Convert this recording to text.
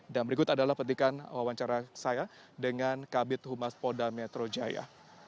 dan berikut adalah petikan wawancara saya dengan kabit humas poda metro jaya